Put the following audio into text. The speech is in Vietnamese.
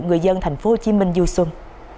người dân thành phố hồ chí minh du xuân